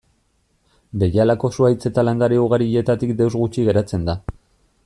Behialako zuhaitz eta landare ugarietatik deus gutxi geratzen da.